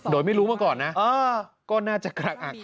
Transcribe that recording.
โดยไม่รู้มาก่อนก็ว่าน่าจะกระอัดกระอันก็จมูล